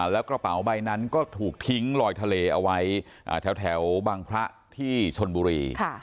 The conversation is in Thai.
แล้วกระเป๋าใบนั้นก็ถูกทิ้งลอยทะเลเอาไว้แถวบังพระที่ชนบุรี